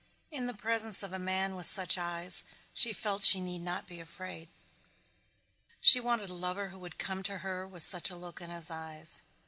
In the presence of a man with such eyes she felt she need not be afraid. She wanted a lover who would come to her with such a look in his eyes.